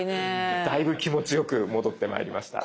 だいぶ気持ちよく戻ってまいりました。